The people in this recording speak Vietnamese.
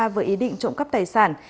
với ý định trộm cắp tài sản